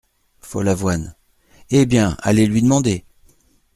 Follavoine Eh ! bien, allez lui demander !